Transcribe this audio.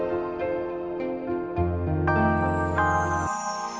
ini adalah cincin mendiang mama kamu